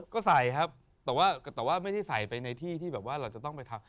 ก็ใส่ครับแต่ไม่ใส่ไปในที่เราจะต้องไปทำ